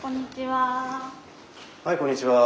はいこんにちは。